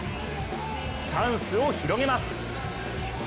チャンスを広げます。